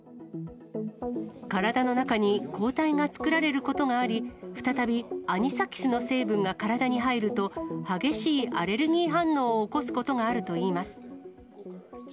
体の中に抗体が作られることがあり、再びアニサキスの成分が体に入ると、激しいアレルギー反応を起こすことがあるといいます。